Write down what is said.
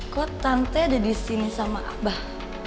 kok tante ada di sini sama abah